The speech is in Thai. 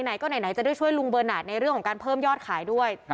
ไหนก็ไหนจะได้ช่วยลุงเบอร์นาทในเรื่องของการเพิ่มยอดขายด้วย